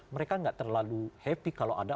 mereka nggak terlalu happy kalau ada